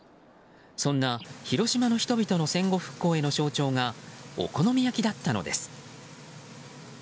そんな広島の人々の戦後復興への象徴がお好み焼きだったのです。